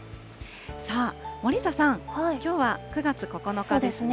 さあ、森下さん、きょうは９月９日ですね。